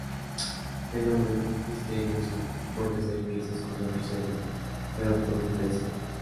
El hombre misterioso puede hacer que esas cosas sucedan, pero por un precio.